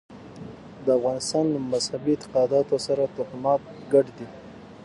د افغانانو له مذهبي اعتقاداتو سره توهمات ګډ دي.